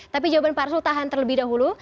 tapi jawaban pak arsul tahan terlebih dahulu